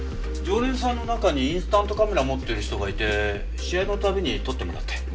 常連さんの中にインスタントカメラを持ってる人がいて試合の度に撮ってもらって。